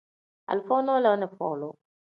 Alifa nole ni folu.